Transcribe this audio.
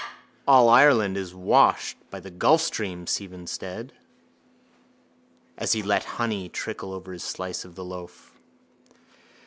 —All Ireland is washed by the gulfstream, Stephen said as he let honey trickle over a slice of the loaf.